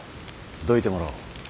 どいてもらおう。